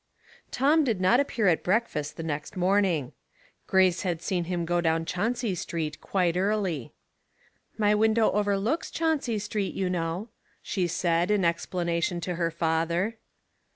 ,,, OM did not appear at breakfast the next |j|E naorning. Grace had seen him go down Chauncy Street quite early. " My window overlooks Chauncy Street, you know," she said, in explana tion, to her father.